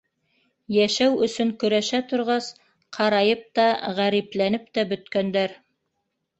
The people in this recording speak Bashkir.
Йәшәү өсөн көрәшә торғас, ҡарайып та, ғәрипләнеп тә бөткәндәр.